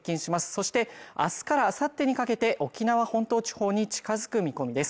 そして明日からあさってにかけて沖縄本島地方に近づく見込みです